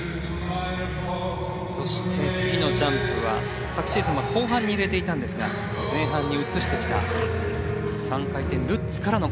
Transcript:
そして次のジャンプは昨シーズンは後半に入れていたんですが前半に移してきた３回転ルッツからのコンビネーションの予定です。